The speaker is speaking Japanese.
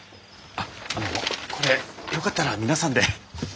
あっあのこれよかったら皆さんで。